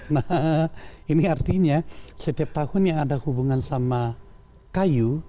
nah ini artinya setiap tahun yang ada hubungan sama kayu